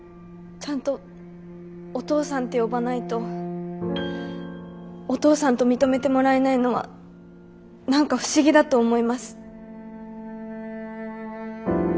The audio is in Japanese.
ちゃんとお父さんと呼ばないとお父さんと認めてもらえないのは何か不思議だと思います。